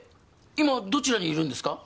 今どちらにいるんですか？